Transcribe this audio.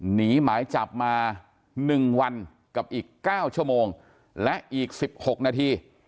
หนีหมายจับมา๑วันกับอีก๙ชั่วโมงและอีก๑๖นาที